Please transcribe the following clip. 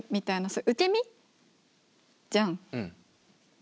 受け身じゃん。